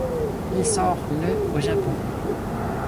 Il sort le au Japon.